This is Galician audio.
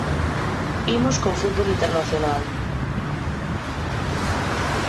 Imos con fútbol internacional.